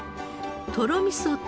とろみそと